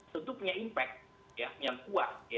tentu punya impact yang kuat